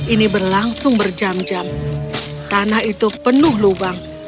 ini berlangsung berjam jam tanah itu penuh lubang